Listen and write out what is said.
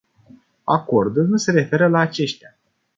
Acordul nu se referă la aceștia.